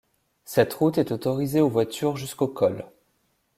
Cette route est autorisée aux voitures jusqu'au col.